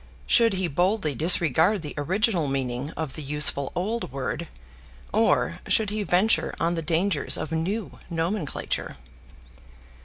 Should he boldly disregard the original meaning of the useful old word; or should he venture on the dangers of new nomenclature?